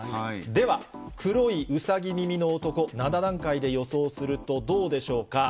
では、黒いウサギ耳の男、７段階で予想すると、どうでしょうか。